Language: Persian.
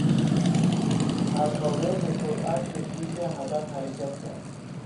پرتابه به سرعت به سوی هدف حرکت کرد.